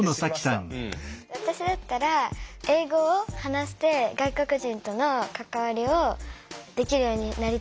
私だったら英語を話して外国人との関わりをできるようになりたいなって。